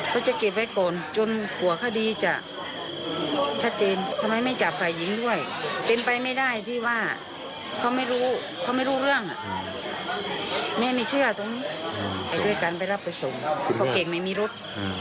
บอกว่าเก่งไม่มีรถไม่มีรถยนต์